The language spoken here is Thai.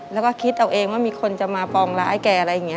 แล้วก็คิดเอาเองว่ามีคนจะมาปองร้ายแกอะไรอย่างนี้